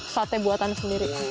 sate buatan sendiri